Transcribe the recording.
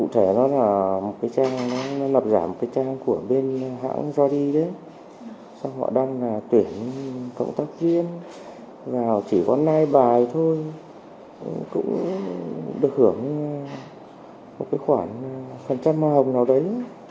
thủ đoàn là tuyển động tác riêng vào chỉ có lai bài thôi cũng được hưởng một cái khoản phần trăm màu hồng nào đấy